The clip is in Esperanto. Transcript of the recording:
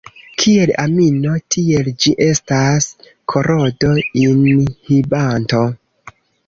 Kiel amino, tiel ĝi estas korodo-inhibanto.